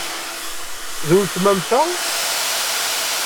D uletma-m ta?